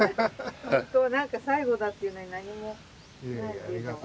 ほんとなんか最後だっていうのに何もないっていうのは。